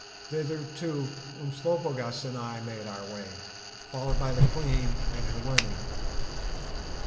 Thither, too, Umslopogaas and I made our way, followed by the Queen and her women.